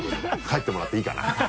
帰ってもらっていいかな。